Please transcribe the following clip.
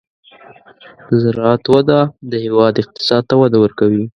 د زراعت وده د هېواد اقتصاد ته وده ورکوي.